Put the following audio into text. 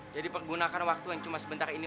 jadi pergunakan waktu yang cuma sebentar ini